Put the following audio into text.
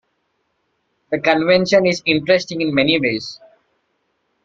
The convention is interesting in many ways.